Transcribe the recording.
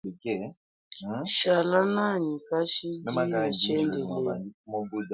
Shala nʼanyi kashid ne tshiendelele.